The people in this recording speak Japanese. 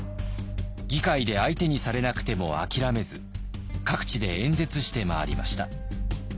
議会で相手にされなくても諦めず各地で演説して回りました。